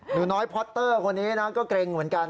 หนูน้อยพอตเตอร์คนนี้นะก็เกรงเหมือนกัน